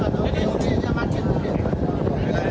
สวัสดีครับสวัสดีครับ